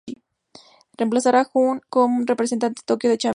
Reemplazará a Jun como representante en Tokyo del Champion Carnival.